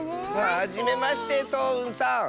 はじめましてそううんさん。